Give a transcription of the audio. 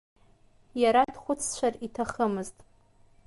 Иара дхәыццәар иҭахӡамызт.